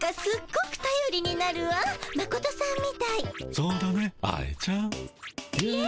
そうだね愛ちゃん。